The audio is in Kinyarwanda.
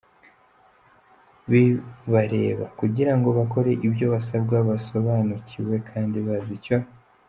bibareba, kugira ngo bakore ibyo basabwa basobanukiwe kandi bazi icyo